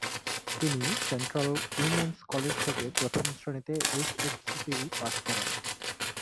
তিনি central women's college থেকে প্রথম শ্রেণীতে এইচএসসি পাশ করেন।